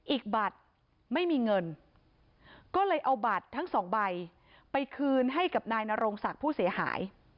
อีกบัตรไม่มีเงินก็เลยเอาบัตรทั้งสองใบไปคืนให้กับนายนโรงศักดิ์ผู้เสียหาย